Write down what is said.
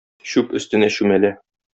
Чүп өстенә чүмәлә.